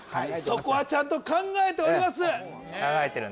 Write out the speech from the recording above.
そこはちゃんと考えております